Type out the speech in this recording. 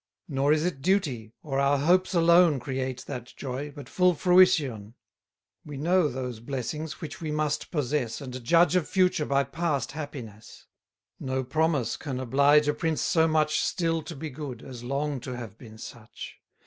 Nor is it duty, or our hopes alone, Create that joy, but full fruition: 70 We know those blessings, which we must possess, And judge of future by past happiness. No promise can oblige a prince so much Still to be good, as long to have been such.